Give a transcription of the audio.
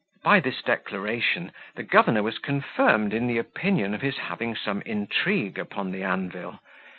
By this declaration the governor was confirmed in the opinion of his having some intrigue upon the anvil.